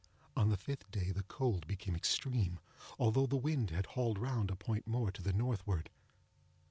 On the fifth day the cold became extreme, although the wind had hauled round a point more to the northward.